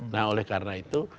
nah oleh karena itu